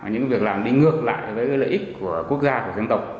những việc làm đi ngược lại với lợi ích của quốc gia của dân tộc